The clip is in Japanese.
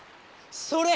それ！